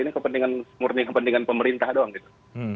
ini kepentingan murni kepentingan pemerintah doang gitu